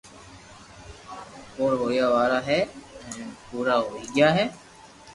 پور ھويا وارا ھي ھين پورا ھوئي گيا ھي